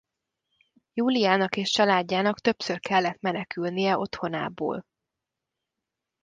Júliának és családjának többször kellett menekülnie otthonából.